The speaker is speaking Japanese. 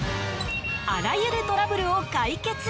あらゆるトラブルを解決。